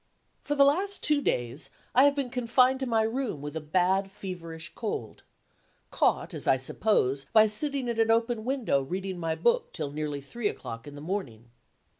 For the last two days, I have been confined to my room with a bad feverish cold caught, as I suppose, by sitting at an open window reading my book till nearly three o'clock in the morning.